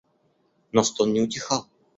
Но стон не утихал.